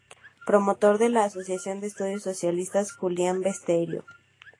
Promotor de la "Asociación de Estudios Socialistas Julián Besteiro".